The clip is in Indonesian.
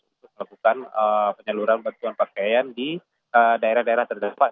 untuk melakukan penyaluran bantuan pakaian di daerah daerah terdepan